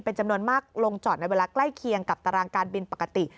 เป็นจำนวนมากลงจอดในเวลาใกล้เคียงกับตารางการบินปกติ